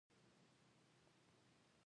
دا تیوریکي او میتودیکي معلوماتو ته لاسرسی دی.